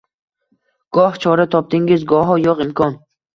Goh chora topdingiz, goho yo’q imkon